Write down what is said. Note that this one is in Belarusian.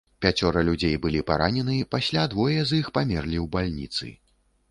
Пяцёра людзей былі паранены, пасля двое з іх памерлі ў бальніцы.